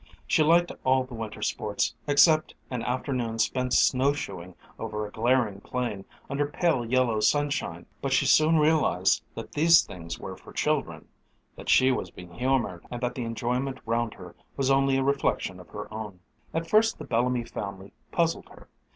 She liked all the winter sports, except an afternoon spent snow shoeing over a glaring plain under pale yellow sunshine, but she soon realized that these things were for children that she was being humored and that the enjoyment round her was only a reflection of her own. At first the Bellamy family puzzled her.